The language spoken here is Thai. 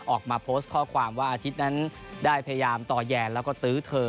ออกมาโพสต์ข้อความว่าอาทิตย์นั้นได้พยายามต่อแยนแล้วก็ตื้อเธอ